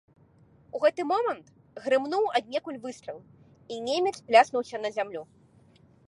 У гэты момант грымнуў аднекуль выстрал, і немец пляснуўся на зямлю.